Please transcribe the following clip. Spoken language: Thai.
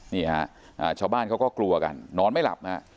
นี่ฮะชาวบ้านเขาก็กลัวกันนอนไม่หลับฮะ